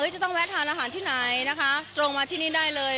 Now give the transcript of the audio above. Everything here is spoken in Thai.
จะต้องแวะทานอาหารที่ไหนนะคะตรงมาที่นี่ได้เลย